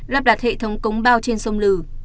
lắp đặt hệ thống cống bao trên sông lừ